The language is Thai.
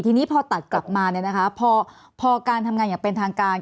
ทีนี้พอตัดกลับมาพอการทำงานอย่างเป็นทางการ